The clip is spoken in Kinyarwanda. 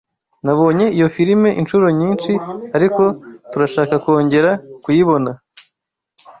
Nabonye iyo firime inshuro nyinshi, ariko turashaka kongera kuyibona.